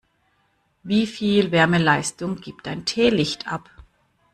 Wie viel Wärmeleistung gibt ein Teelicht ab?